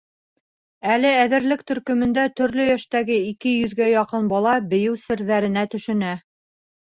Әле әҙерлек төркөмөндә төрлө йәштәге ике йөҙгә яҡын бала бейеү серҙәренә төшөнә.